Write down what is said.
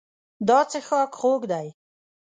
دا څښاک خوږ دی.